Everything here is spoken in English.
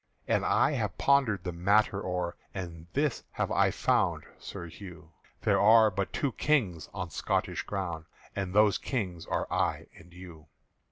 "And I have pondered the matter o'er, And this have I found, Sir Hugh, There are but two Kings on Scotish ground, And those Kings are I and you.